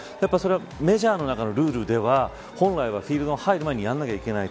メジャーの中のルールではフィールドに入る前にやらなければいけない。